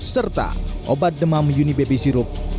serta obat demam unibaby sirup